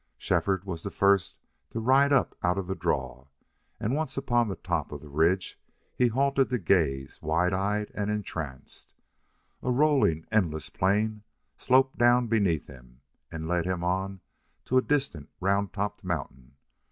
Shefford was the first to ride up out of the draw, and once upon the top of the ridge he halted to gaze, wide eyed and entranced. A rolling, endless plain sloped down beneath him, and led him on to a distant round topped mountain.